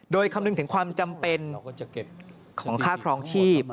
โดยคำนึงถึงความจำเป็นของค่าครองชีพ